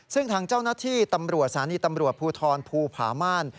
ซึ่งทางเจ้าหน้าที่ตำรวจสถานีตำรวจภูทรภูผาม่าน